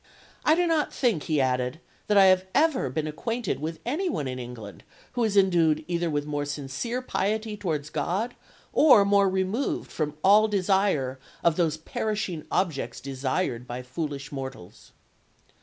"I do not think," he added, "that I have ever been acquainted with any one in England who is endued either with more sincere piety towards God or more removed from all desire of those perishing objects desired by foolish mortals."